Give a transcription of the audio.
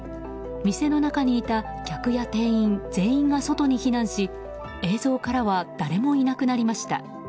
店の中にいた客や店員全員が外に避難し映像からは誰もいなくなりました。